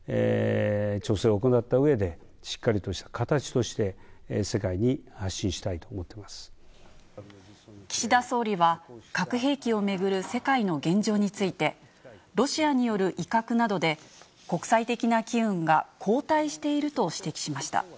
調整を行ったうえで、しっかりとした形として、世界に発信したい岸田総理は、核兵器を巡る世界の現状について、ロシアによる威嚇などで国際的な機運が後退していると指摘しました。